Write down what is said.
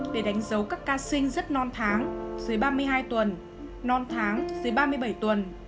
để đánh dấu các ca sinh rất non tháng dưới ba mươi hai tuần non tháng dưới ba mươi bảy tuần